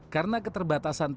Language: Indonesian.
karena keterbatasan tersebut